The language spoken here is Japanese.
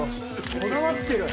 こだわってる。